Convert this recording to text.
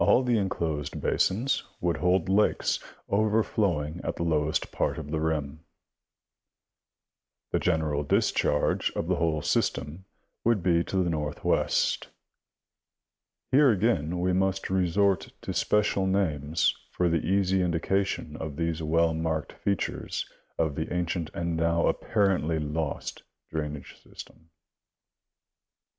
All the enclosed basins woUld hold lakes, overflowing at the lowest part of the rim. The general discharge of the whole system would be to the northwest. Here again we must resort to special names for the easy indication of these well marked features of the ancient and now apparently lost drainage system.